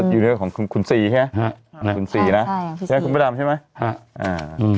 อยู่ในของคุณศรีใช่ไหมคุณศรีนะใช่คุณพระดำใช่ไหม